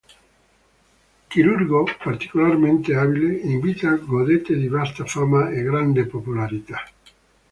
Chirurgo particolarmente abile, in vita godette di vasta fama e grande popolarità.